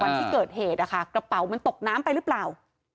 วันที่เกิดเหตุนะคะกระเป๋ามันตกน้ำไปหรือเปล่า